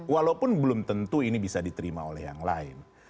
walaupun belum tentu ini bisa diterima oleh yang lain